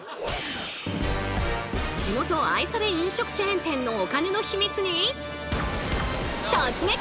地元愛され飲食チェーン店のお金のヒミツに突撃！